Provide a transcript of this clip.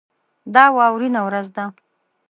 دا واورینه ورځ ده.